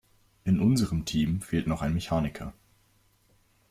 In unserem Team fehlt noch ein Mechaniker.